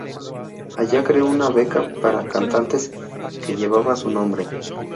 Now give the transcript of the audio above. Allá creó una beca para cantantes que llevaba su nombre.